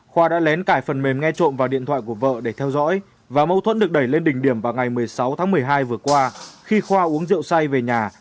khoa đã lén cải phần mềm nghe trộm vào điện thoại của vợ để theo dõi và mâu thuẫn được đẩy lên đỉnh điểm vào ngày một mươi sáu tháng một mươi hai vừa qua khi khoa uống rượu say về nhà